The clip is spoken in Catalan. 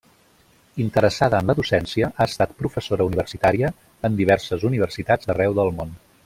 Interessada en la docència, ha estat professora universitària en diverses universitats d'arreu del món.